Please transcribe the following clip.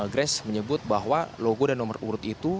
grace menyebut bahwa logo dan nomor urut itu